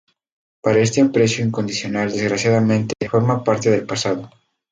Pero este aprecio incondicional, desgraciadamente, forma parte del pasado.